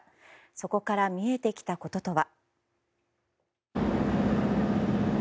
そこから見えてきたこととは。